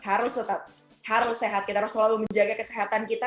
harus sehat kita harus selalu menjaga kesehatan kita